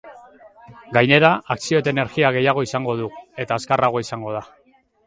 Gainera, akzio eta energia gehiago izango du eta azkarragoa izango da.